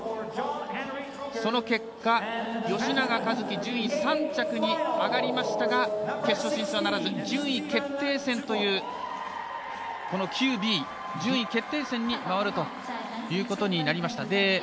その結果、吉永一貴順位、３着に上がりましたが決勝進出ならず順位決定戦というＱＢ、順位決定戦に回るということになりました。